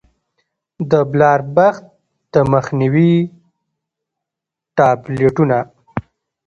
د بلاربښت د مخنيوي ټابليټونه